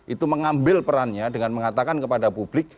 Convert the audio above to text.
itu mengambil perannya dengan mengatakan kepada publik